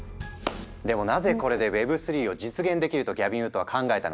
でもなぜこれでＷｅｂ３を実現できるとギャビン・ウッドは考えたのか。